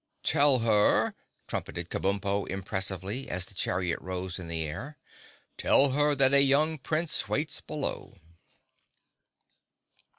"Tell her," trumpeted Kabumpo impressively, as the chariot rose in the air, "tell her that a young Prince waits below!"